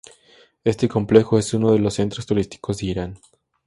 Este complejo es uno de los centros turísticos de Irán.